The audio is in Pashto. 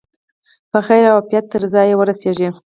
په خیر او عافیت تر ځایه ورسیږي.